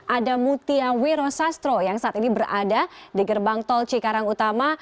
ada mutia wiro sastro yang saat ini berada di gerbang tol cikarang utama